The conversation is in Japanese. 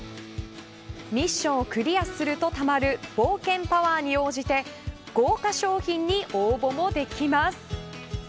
ミッションをクリアするとたまる冒険パワーに応じて豪華賞品に応募もできます。